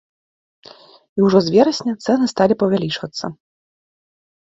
І ўжо з верасня цэны сталі павялічвацца.